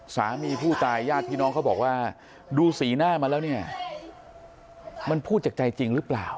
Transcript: สามีผู้ตายญาติพี่น้องเขาบอกว่าดูสีหน้ามาแล้วเนี่ยมันพูดจากใจจริงหรือเปล่า